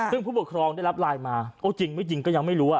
ซึ่งผู้ปกครองได้รับไลน์มาโอ้จริงไม่จริงก็ยังไม่รู้